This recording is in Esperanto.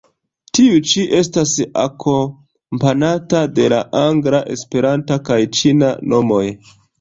Tiu ĉi estas akompanata de la angla, Esperanta kaj ĉina nomoj.